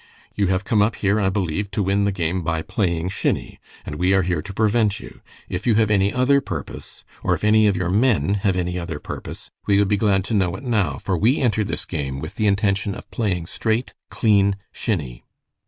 You have come up here, I believe, to win the game by playing shinny, and we are here to prevent you. If you have any other purpose, or if any of your men have any other purpose, we would be glad to know it now, for we entered this game with the intention of playing straight, clean shinny."